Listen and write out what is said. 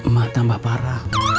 mata mbak para